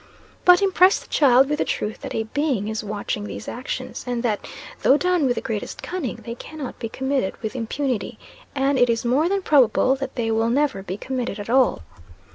But, impress the child with the truth that a Being is watching these actions, and that though done with the greatest cunning, they cannot be committed with impunity, and it is more than probable that they will never be committed at all.